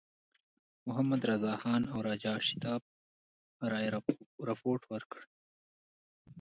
محمدرضاخان او راجا شیتاب رای رپوټ ورکړ.